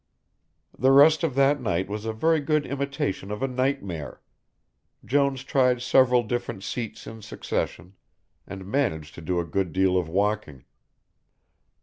The rest of that night was a very good imitation of a nightmare. Jones tried several different seats in succession, and managed to do a good deal of walking.